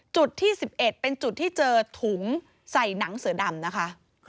จุดที่๑๑เป็นจุดที่เจอถุงใส่หนังเสือดำนะคะ